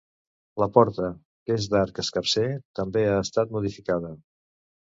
La porta, que és d'arc escarser, també ha estat modificada.